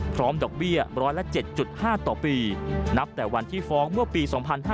ดอกเบี้ย๑๐๗๕ต่อปีนับแต่วันที่ฟ้องเมื่อปี๒๕๕๙